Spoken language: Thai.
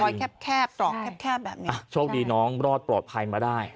แคบแคบตรอกแคบแคบแบบนี้อ่ะโชคดีน้องรอดปลอดภัยมาได้